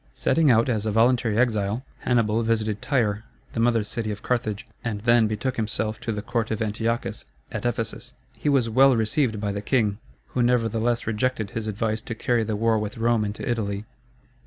Setting out as a voluntary exile, Hannibal visited Tyre, the mother city of Carthage, and then betook himself to the court of Antiochus, at Ephesus. He was well received by the king, who nevertheless rejected his advice to carry the war with Rome into Italy.